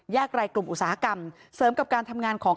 รายกลุ่มอุตสาหกรรมเสริมกับการทำงานของ